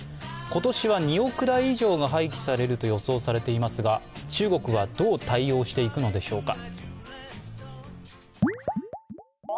今年は２億台以上が廃棄されると予想されていますが、中国はどう対応していくのでしょうか。